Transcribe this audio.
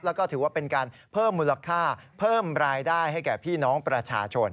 แล้วก็ถือว่าเป็นการเพิ่มมูลค่าเพิ่มรายได้ให้แก่พี่น้องประชาชน